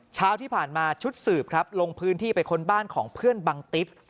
เช้าที่ผ่านมาชุดสืบครับลงพื้นที่ไปค้นบ้านของเพื่อนบังติ๊บ